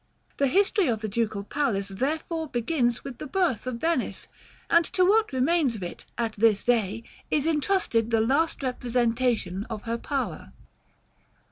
The history of the Ducal Palace therefore begins with the birth of Venice, and to what remains of it, at this day, is entrusted the last representation of her power.